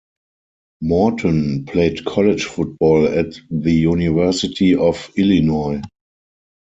Morton played college football at the University of Illinois.